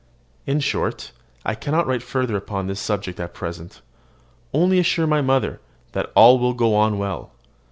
In short, I cannot write further upon this subject at present; only assure my mother that all will go on well.